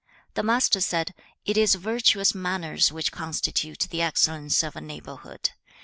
The Master said, 'It is virtuous manners which constitute the excellence of a neighborhood.